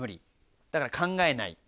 だから考えない。